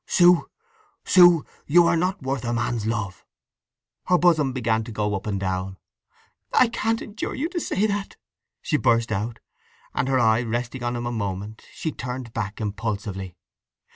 Sue, Sue, you are not worth a man's love!" Her bosom began to go up and down. "I can't endure you to say that!" she burst out, and her eye resting on him a moment, she turned back impulsively.